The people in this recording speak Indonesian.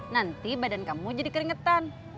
nanti badan kamu jadi keringetan